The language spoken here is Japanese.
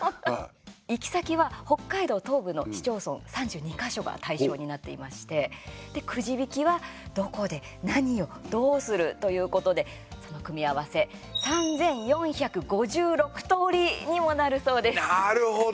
行き先は北海道東部の市町村３２か所が対象になっていましてで、くじ引きはどこで、何を、どうするということで、その組み合わせなるほど。